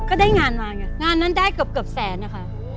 ก็ได้งานมาไงงานนั้นได้เกือบเกือบแสนนะคะ